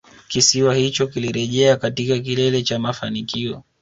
Kisiwa hicho kilirejea katika kilele cha mafanikio